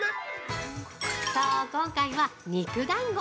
◆そう、今回は肉だんご！